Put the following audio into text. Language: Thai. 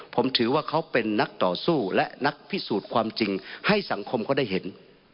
ผมถือว่าเขาเป็นนักต่อสู้และนักพิสูจน์ความจริงให้สังคมเขาได้เห็น